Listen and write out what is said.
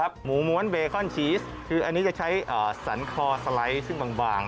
บุฟเฟสอันนี้ว่า